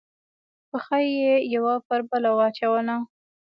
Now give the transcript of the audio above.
پښه یې یوه پر بله واچوله.